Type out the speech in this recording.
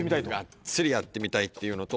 がっつりやってみたいっていうのと。